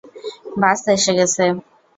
বাস এসে গেছে।